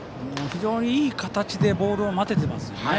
非常にいい形でボールを待てていますね。